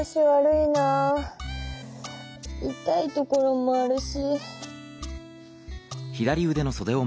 いたいところもあるし。